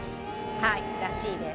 はいらしいです。